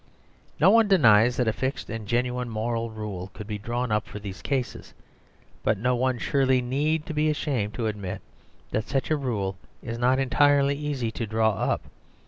No one denies that a fixed and genuine moral rule could be drawn up for these cases, but no one surely need be ashamed to admit that such a rule is not entirely easy to draw up.